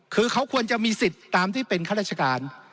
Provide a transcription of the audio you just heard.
คือเขาควรจะมีสิทธิ์ตามที่เป็นข้าราชการ